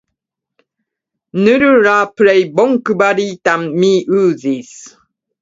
Nur la plej bonkvalitan mi uzis.